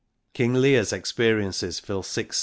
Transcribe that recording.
King Leyr's experiences fill six